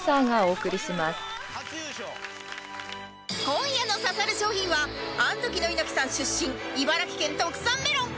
今夜の刺さる商品はアントキの猪木さん出身茨城県特産メロン